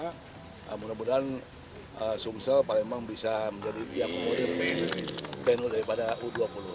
karena sumsel palembang bisa menjadi pihak modern tenur daripada u dua puluh